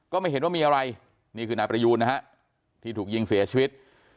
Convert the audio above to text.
ไม่เห็นว่ามีอะไรนี่คือนายประยูนนะฮะที่ถูกยิงเสียชีวิต